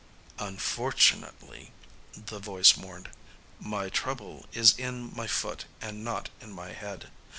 "Unfortunately," the voice mourned, "my trouble is in my foot and not in my head.